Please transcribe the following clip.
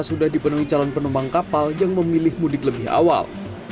sudah dipenuhi calon penumpang kapal yang memilih mudik lebih awal